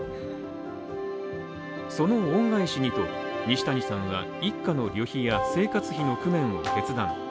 その恩返しにと、西谷さんは一家の旅費や生活費の工面を決断。